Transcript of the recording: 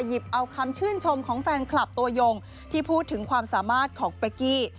หยิบเอาคำชื่นชมของแฟนคลับตัวยงที่พูดถึงความสามารถของเป๊กกี้